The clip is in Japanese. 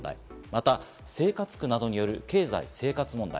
また生活苦などによる経済生活問題。